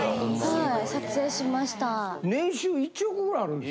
・はい。